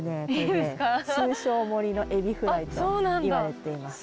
これね通称森のエビフライといわれています。